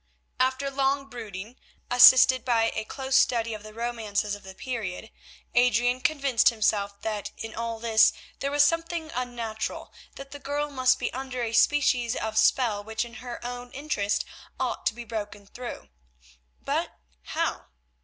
After long brooding, assisted by a close study of the romances of the period, Adrian convinced himself that in all this there was something unnatural, that the girl must be under a species of spell which in her own interest ought to be broken through. But how?